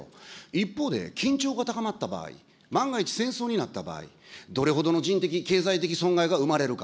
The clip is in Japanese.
一方で緊張が高まった場合、万が一戦争になった場合、どれほどの人的、経済的損害が生まれるか。